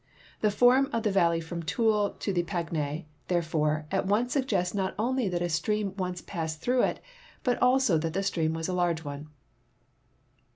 The form of the val ley from Toul to Pagny, therefore, at once suggests not onlv that a stream once passed through it, but also that the stream was a large one.